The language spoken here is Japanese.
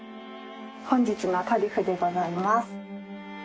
本日のトリュフでございます。